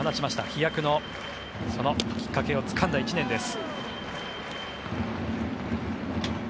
飛躍のきっかけをつかんだ１年です。